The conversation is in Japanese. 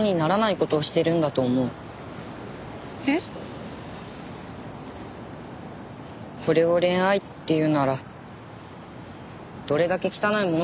これを恋愛っていうならどれだけ汚いものかって思うよ。